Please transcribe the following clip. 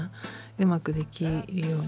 うまくできるように。